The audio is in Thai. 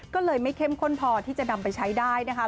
ก็เลยไม่เข้มข้นพอที่จะนำไปใช้ได้นะคะ